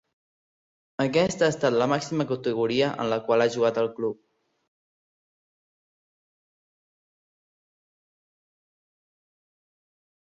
Aquesta ha estat la màxima categoria en la qual ha jugat el club.